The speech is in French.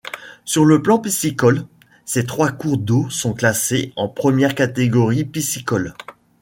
Sur le plan piscicole, ces trois cours d'eau sont classés en première catégorie piscicole.